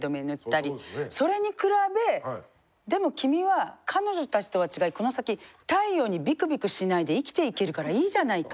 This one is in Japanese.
それに比べ「でも君は彼女たちとは違いこの先太陽にビクビクしないで生きていけるからいいじゃないか。